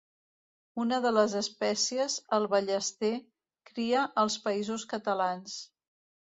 Una de les espècies, el ballester, cria als Països Catalans.